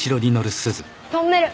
トンネル。